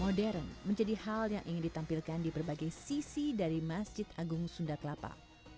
modern menjadi hal yang ingin ditampilkan di berbagai sisi dari masjid agung sunda kelapa